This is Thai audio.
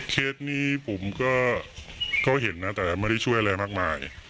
เคสนี้ผมก็เห็นนะแต่ไม่ได้ช่วยอะไรมากมาย